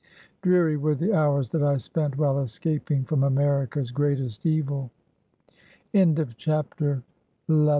' Dreary were the hours that I spent while escaping from America's greatest evil." AN AMERICAN BONDMAN.